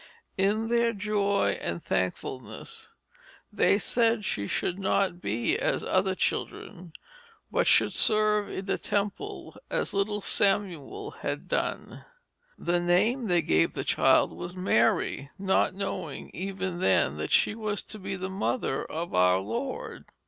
In their joy and thankfulness they said she should not be as other children, but should serve in the temple as little Samuel had done. The name they gave the child was Mary, not knowing even then that she was to be the mother of our Lord.